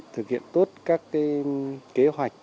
thực hiện tốt các kế hoạch